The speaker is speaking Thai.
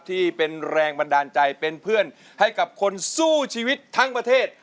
ที่เป็นแรงบันดาลใจเป็นเพื่อนให้กับคนสู้ชีวิตทั้งประเทศ